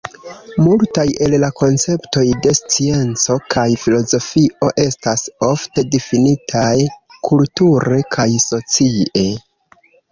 Multaj el la konceptoj de scienco kaj filozofio estas ofte difinitaj kulture kaj socie.